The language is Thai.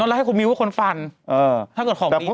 แล้วให้คุณมิ้วคนฟันถ้าเกิดของมิ้ว